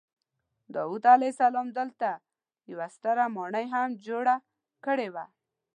داود علیه السلام دلته یوه ستره ماڼۍ هم جوړه کړې وه.